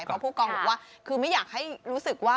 เพราะผู้กองบอกว่าคือไม่อยากให้รู้สึกว่า